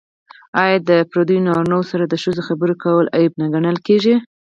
آیا د پردیو نارینه وو سره د ښځو خبرې کول عیب نه ګڼل کیږي؟